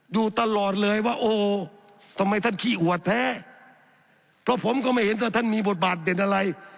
อยู่ตลอดเลยว่าโอ้ทำไมท่านขี้อวดแท้เพราะผมก็ไม่เห็นว่าท่านมีบทบาทเด่นอะไร